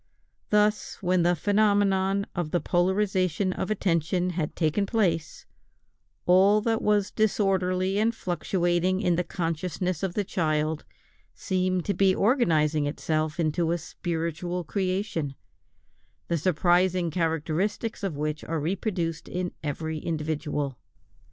Thus, when the phenomenon of the polarisation of attention had taken place, all that was disorderly and fluctuating in the consciousness of the child seemed to be organizing itself into a spiritual creation, the surprising characteristics of which are reproduced in every individual.